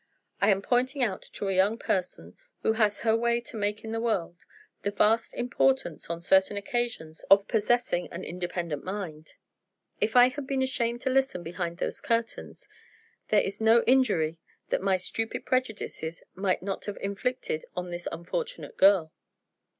I am pointing out to a young person, who has her way to make in the world, the vast importance, on certain occasions, of possessing an independent mind. If I had been ashamed to listen behind those curtains, there is no injury that my stupid prejudices might not have inflicted on this unfortunate girl.